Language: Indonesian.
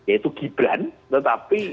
yaitu gibran tetapi